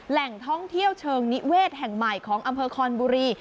แหล่งท่องเที่ยวเชิงนิเวศแห่งใหม่ของอำเภอคอนบุรี